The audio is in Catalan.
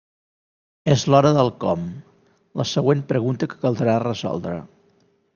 És l'hora del «com», la següent pregunta que caldrà resoldre.